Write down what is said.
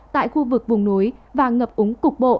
tại khu vực vùng núi và ngập úng cục bộ